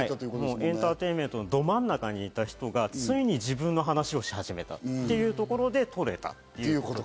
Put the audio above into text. エンターテインメント、ど真ん中にいた人がついに自分の話を始めたというところで取れた。